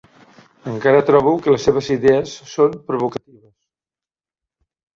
Encara trobo que les seves idees són provocatives.